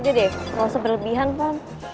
udah deh gak usah berlebihan pon